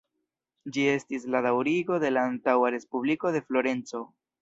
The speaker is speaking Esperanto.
Ĝi estis la daŭrigo de la antaŭa Respubliko de Florenco.